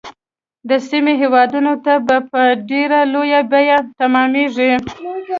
د سیمې هیوادونو ته به په ډیره لویه بیعه تمامیږي.